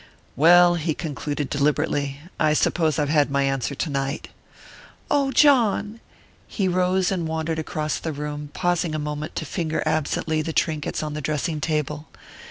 "Well," he concluded deliberately, "I suppose I've had my answer tonight." "Oh, John !" He rose and wandered across the room, pausing a moment to finger absently the trinkets on the dressing table.